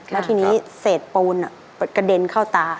แล้วทีนี้เศษปูนกระเด็นเข้าตา